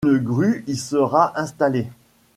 Une grue y sera installée.